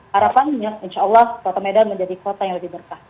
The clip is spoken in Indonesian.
harapannya insya allah kota medan menjadi kota yang lebih berkah